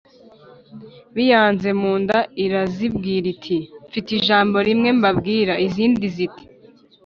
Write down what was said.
biyanze mu nda, irazibwira iti: “Mfite ijambo rimwe mbabwira. ” Izindi ziti: